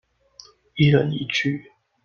一人一句